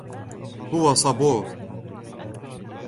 هو صبور.